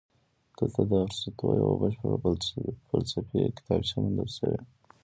دلته د ارسطو یوه بشپړه فلسفي کتابچه موندل شوې